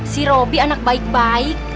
si roby anak baik baik